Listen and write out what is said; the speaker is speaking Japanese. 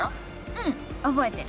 うん覚えてる！